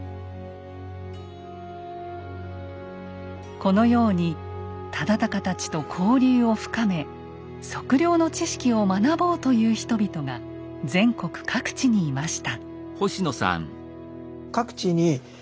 このように忠敬たちと交流を深め測量の知識を学ぼうという人々が全国各地にいました。